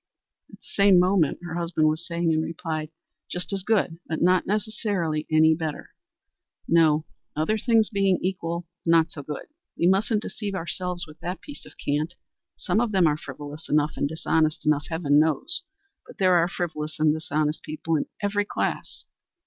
At the same moment her husband was saying in reply, "Just as good, but not necessarily any better. No other things being equal not so good. We mustn't deceive ourselves with that piece of cant. Some of them are frivolous enough, and dishonest enough, heaven knows, but so there are frivolous and dishonest people in every class.